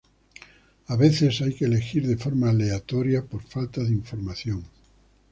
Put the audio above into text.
A veces hay que elegir de forma aleatoria por falta de información.